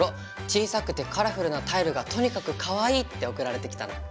小さくてカラフルなタイルがとにかくかわいいって送られてきたんだ。